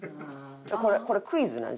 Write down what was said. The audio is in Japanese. これクイズな？